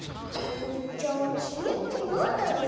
じゃあきみってなんだろう？